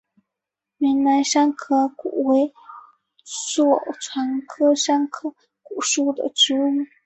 云南山壳骨为爵床科山壳骨属的植物。